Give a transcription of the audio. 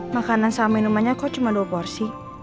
makanan sama minumannya kok cuma dua porsi